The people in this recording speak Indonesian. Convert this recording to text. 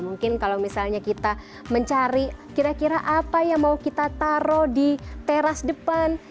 mungkin kalau misalnya kita mencari kira kira apa yang mau kita taruh di teras depan